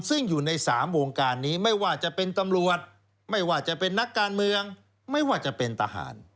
ซึ่งอยู่ใน๓วงการนี้ไม่ว่าจะเป็นตำรวจไม่ว่าจะเป็นนักการเมืองไม่ว่าจะเป็นทหาร